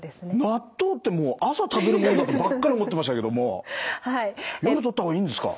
納豆ってもう朝食べるもんだとばっかり思ってましたけども夜とった方がいいんですか。